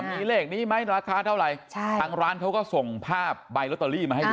มีเลขนี้ไหมราคาเท่าไหร่ใช่ทางร้านเขาก็ส่งภาพใบลอตเตอรี่มาให้ดู